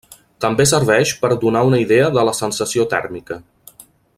També serveix per a donar una idea de la sensació tèrmica.